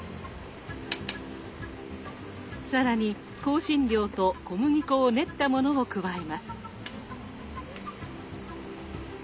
更に香辛料と小麦粉を練ったものを加えます。